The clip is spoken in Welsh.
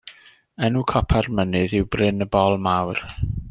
Enw copa'r mynydd yw Bryn y Bol Mawr.